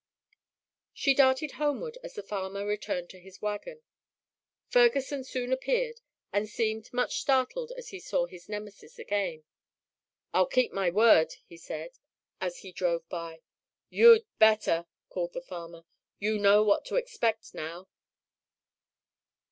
She darted homeward as the farmer returned to his wagon. Ferguson soon appeared and seemed much startled as he saw his Nemesis again. "I'll keep my word," he said, as he drove by. "You'd better!" called the farmer. "You know what to expect now."